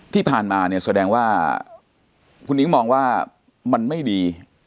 ที่ผ่านมาเนี่ยแสดงว่าคุณนิ้งมองว่ามันไม่ดี